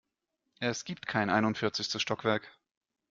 Es gibt kein einundvierzigstes Stockwerk.